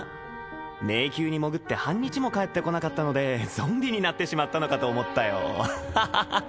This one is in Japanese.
迷宮に潜って半日も帰ってこなかったのでゾンビになってしまったのかと思ったよハハハ！